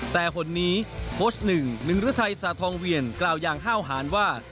แต่หนนี้โค้ชหนึ่งหนึ่งฤทัยสาธองเวียนกล่าวอย่างห้าวหารว่า